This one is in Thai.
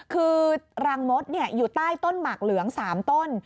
คือรังมดอยู่ใต้ต้นหมากเหลือง๓ต้น